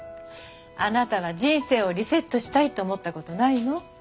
あなたは人生をリセットしたいと思った事ないの？